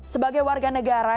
sebagai warga negara